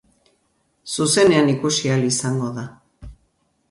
Zuzenean ikusi ahal izango da.